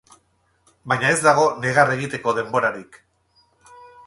Baina ez dago negar egitego denborarik.